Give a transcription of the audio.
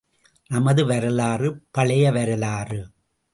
நமது வரலாறு, பழைய வரலாறு.